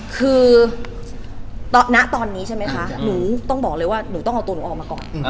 คือณตอนนี้ใช่ไหมคะหนูต้องบอกเลยว่าหนูต้องเอาตัวหนูออกมาก่อน